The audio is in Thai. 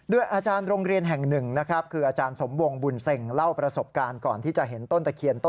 ด้วยอาจารย์โรงเรียนแห่งหนึ่งคือ